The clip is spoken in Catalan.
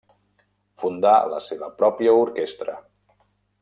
Fundà la seva pròpia orquestra.